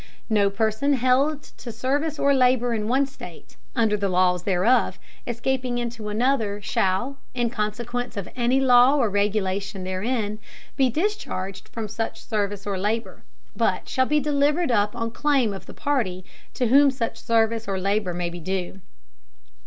No Person held to Service or Labour in one State, under the Laws thereof, escaping into another, shall, in Consequence of any Law or Regulation therein, be discharged from such Service or Labour, but shall be delivered up on Claim of the Party to whom such Service or Labour may be due.